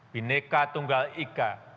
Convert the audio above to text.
pada waktunya yang menunggal ika